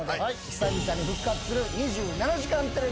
久々に復活する『２７時間テレビ』